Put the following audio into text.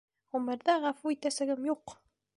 Ғүмерҙә ғәфү итәсәгем юҡ!